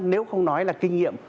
nếu không nói là kinh nghiệm